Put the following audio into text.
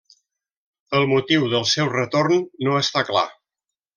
El motiu del seu retorn no està clar.